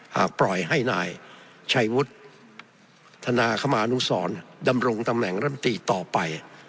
หากปล่อยให้นายชัยวุฒิธนาคมานุสรดำรงตำแหน่งรัฐมนตรีต่อไป